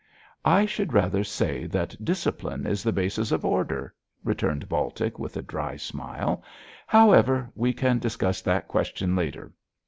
'I should rather say that discipline is the basis of order,' returned Baltic, with a dry smile; 'however, we can discuss that question later.